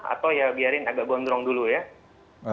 atau ya biarin agak gondrong dulu ya